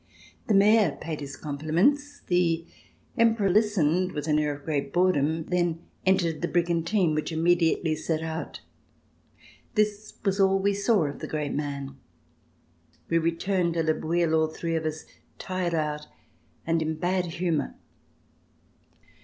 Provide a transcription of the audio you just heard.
The Mayor paid his compliments. The Emperor listened with an air of great boredom, then entered the brigantine which immediately set out. This was all we saw of the great man. We re turned to Le Bouilh, all three of us, tired out and in bad humor.